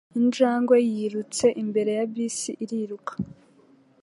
Injangwe yirutse imbere ya bisi iriruka.